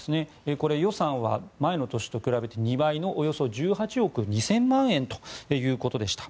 これ、予算は前の年と比べて２倍のおよそ１８億２０００万円ということでした。